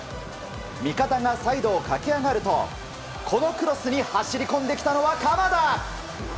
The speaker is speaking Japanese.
味方がサイドを駆け上がるとこのクロスに走り込んできたのは鎌田！